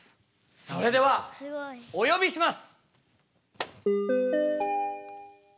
それではお呼びします。